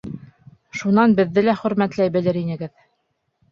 Шунан беҙҙе лә хөрмәтләй белер инегеҙ.